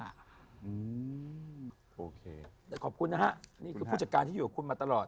อืมโอเคแต่ขอบคุณนะฮะนี่คือผู้จัดการที่อยู่กับคุณมาตลอด